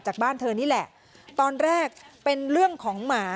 บ้านเธอนี่แหละตอนแรกเป็นเรื่องของหมา